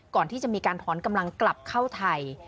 ก่อนที่จะมีการถอนกำลังกลับเข้าไทย